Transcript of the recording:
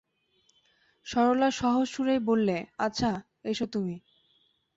সরলা সহজ সুরেই বললে, আচ্ছা, এসো তুমি।